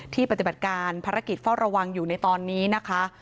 ปฏิบัติการภารกิจเฝ้าระวังอยู่ในตอนนี้นะคะ